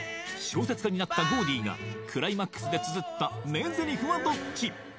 小説家になったゴーディがクライマックスでつづった名台詞はどっち？